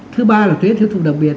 thứ ba là thuế thiếu thùng đồng biệt